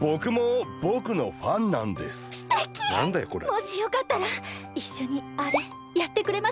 もしよかったらいっしょにあれやってくれませんか？